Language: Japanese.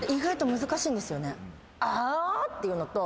「あぁ？」っていうのと。